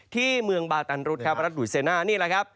ที่เมืองบาตันรุฑครับรัฐหุยเซน่านี่แหละครับ